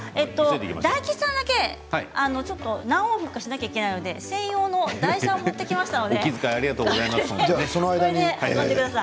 大吉さんだけ何往復かしなければいけないので専用の台車を持ってきました。